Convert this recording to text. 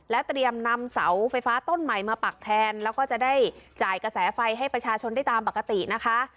เตรียมนำเสาไฟฟ้าต้นใหม่มาปักแทนแล้วก็จะได้จ่ายกระแสไฟให้ประชาชนได้ตามปกตินะคะ